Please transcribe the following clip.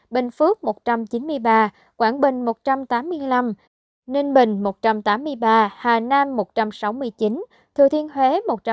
bình phước một trăm chín mươi ba quảng bình một trăm tám mươi năm ninh bình một trăm tám mươi ba hà nam một trăm sáu mươi chín thừa thiên huế một trăm bốn mươi tám